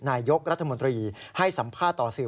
นายกรัฐมนตรีให้สัมภาษณ์ต่อสื่อ